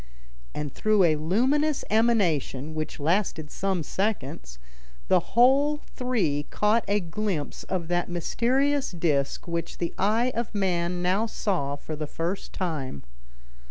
And through a luminous emanation, which lasted some seconds, the whole three caught a glimpse of that mysterious disc which the eye of man now saw for the first time.